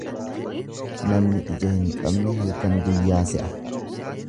Namni ija hin qabne halkan guyyaa se'a.